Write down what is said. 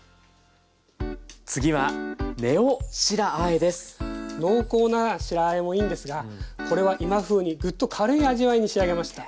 次は濃厚な白あえもいいんですがこれは今風にグッと軽い味わいに仕上げました。